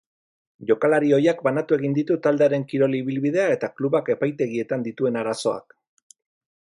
Jokalari ohiak banatu egin ditu taldearen kirol ibilbidea eta klubak epaitegietan dituen arazoak.